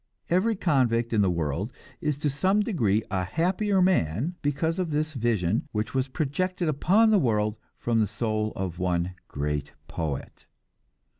Every convict in the world is to some degree a happier man because of this vision which was projected upon the world from the soul of one great poet.